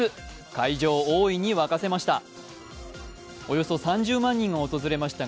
会場を大いに沸かせました。